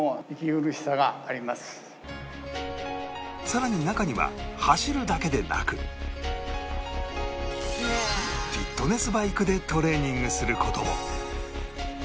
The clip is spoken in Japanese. さらに中には走るだけでなくフィットネスバイクでトレーニングする事も